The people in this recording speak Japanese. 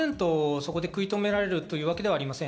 そこで食い止められるというわけではありません。